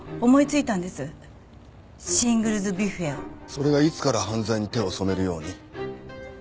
それがいつから犯罪に手を染めるように？